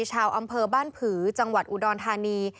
ชาวอำเภอบ้านผือจังหวัดอุดรธานี